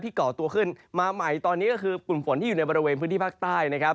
ก่อตัวขึ้นมาใหม่ตอนนี้ก็คือกลุ่มฝนที่อยู่ในบริเวณพื้นที่ภาคใต้นะครับ